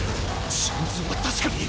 ⁉心臓は確かに。